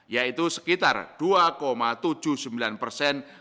yaitu sekitar dua tujuh puluh sembilan persen